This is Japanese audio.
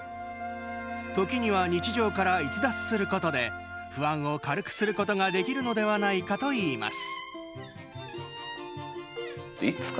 時には日常から逸脱することで不安を軽くすることができるのではないかといいます。